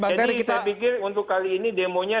jadi saya pikir untuk kali ini demonya